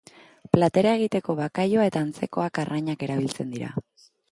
Platera egiteko bakailaoa eta antzekoak arrainak erabiltzen dira.